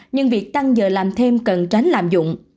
nhưng việc tăng giờ làm thêm cần tránh lạm dụng